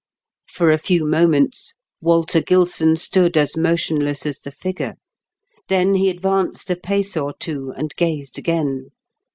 For a few moments Walter Gilson stood as motionless as the figure. Then he advanced a pace or two and gazed again.